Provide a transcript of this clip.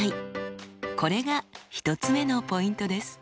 これが１つ目のポイントです。